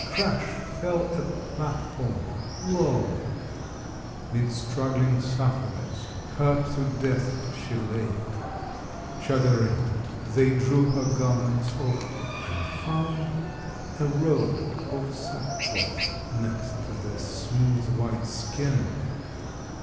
crash fell a platform! Lo, Mid struggling sufferers, hurt to death, she lay! Shuddering, they drew her garments off and found A robe of sackcloth next the smooth, white skin.